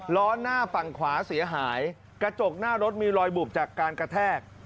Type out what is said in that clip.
ล้อหน้าฝั่งขวาเสียหายกระจกหน้ารถมีรอยบุบจากการกระแทก